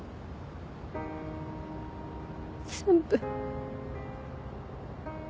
全部。